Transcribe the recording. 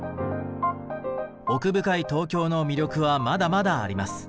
奥深い東京の魅力はまだまだあります。